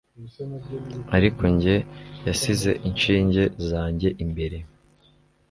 ariko njye, yasize inshinge zanjye imbere